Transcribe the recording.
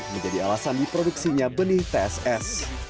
menjadi alasan diproduksinya benih tss